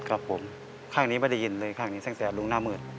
ครับผมข้างนี้ไม่ได้ยินเลยข้างนี้ตั้งแต่ลุงหน้ามืด